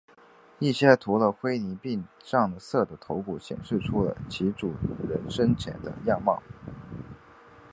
一些涂了灰泥并上了色的头骨显示出了其主人生前的样貌。